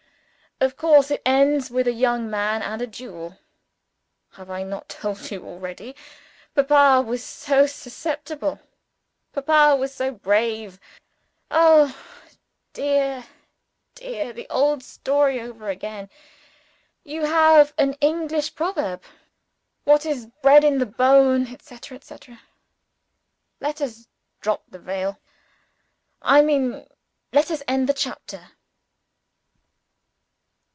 Of course it ends with a young man and a duel. Have I not told you already? Papa was so susceptible; Papa was so brave. Oh, dear, dear! the old story over again. You have an English proverb: "What is bred in the bone " etcetera, etcetera. Let us drop the veil. I mean, let us end the chapter.